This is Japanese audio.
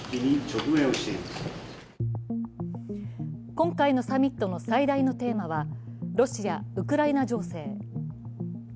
今回のサミットの最大のテーマはロシア・ウクライナ情勢。